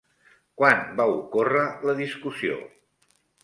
Quan va ocórrer la discussió?